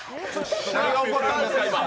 何が起こっているんですか？